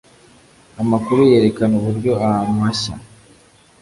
Amakuru yerekana uburyo ahantu hashya.